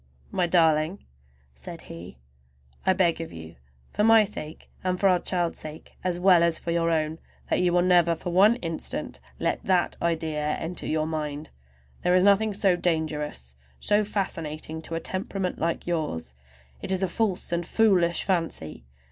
"My darling," said he, "I beg of you, for my sake and for our child's sake, as well as for your own, that you will never for one instant let that idea enter your mind! There is nothing so dangerous, so fascinating, to a temperament like yours. It is a false and foolish fancy.